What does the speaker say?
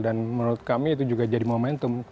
dan menurut kami itu juga jadi momentum